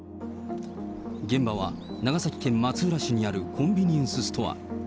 現場は長崎県松浦市にあるコンビニエンスストア。